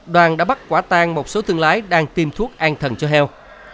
đoàn đã bắt quả tan một số thương lái đang tiêm thuốc an thần cho heo